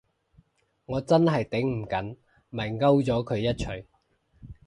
我真係頂唔緊，咪摳咗佢一鎚